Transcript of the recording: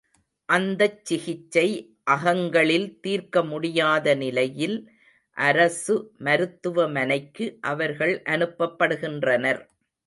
அந்தச் சிகிச்சை அகங்களில் தீர்க்க முடியாத நிலையில் அரசு மருத்துவ மனைக்கு அவர்கள் அனுப்பப்படுகின்றனர்.